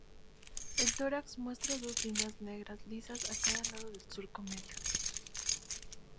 El tórax muestra dos líneas negras lisas a cada lado del surco medio.